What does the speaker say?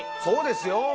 そうですよ